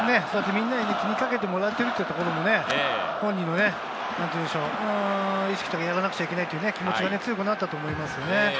皆に気にかけてもらっているというところもね、本人、意識としてやらなければいけないという気持ちが強くなったと思います。